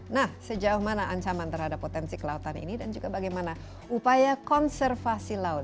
nah sejauh mana ancaman terhadap potensi kelautan ini dan juga bagaimana upaya konservasi laut